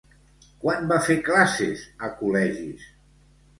Quan va fer classes a col·legis?